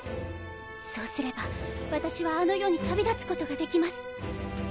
そうすれば私はあの世に旅立つことができます。